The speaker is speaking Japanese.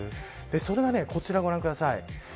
それがこちらご覧ください。